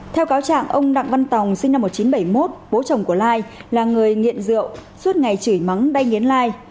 theo cáo trạng ông đặng văn tòng sinh năm một nghìn chín trăm bảy mươi một bố chồng của lai là người nghiện rượu suốt ngày chửi mắng đây nghiến lai